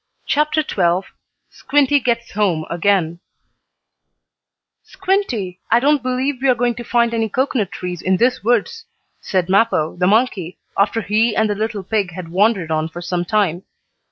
CHAPTER XII SQUINTY GETS HOME AGAIN "Squinty, I don't believe we're going to find any cocoanut trees in this woods," said Mappo, the monkey, after he and the little pig had wandered on for some time.